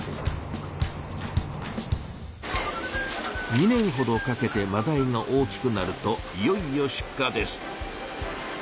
２年ほどかけてマダイが大きくなるといよいよ出荷です。